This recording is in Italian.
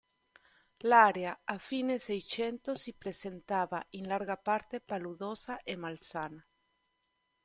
L'area a fine Seicento si presentava in larga parte paludosa e malsana.